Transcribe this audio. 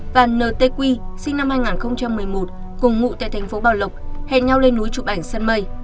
và ntq sinh năm hai nghìn một mươi một cùng ngụ tại thành phố bảo lộc hẹn nhau lên núi chụp ảnh sân mây